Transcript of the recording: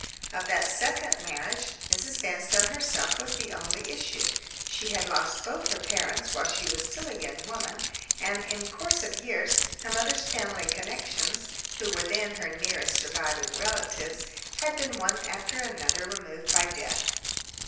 Of that second marriage Mrs. Vanstone herself was the only issue. She had lost both her parents while she was still a young woman; and, in course of years, her mother's family connections (who were then her nearest surviving relatives) had been one after another removed by death.